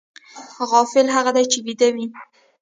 غافل هغه دی چې ویده وي